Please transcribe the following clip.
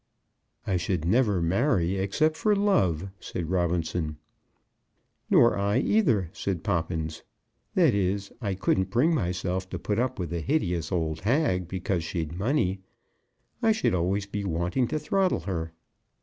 "I should never marry except for love," said Robinson. "Nor I neither," said Poppins. "That is, I couldn't bring myself to put up with a hideous old hag, because she'd money. I should always be wanting to throttle her.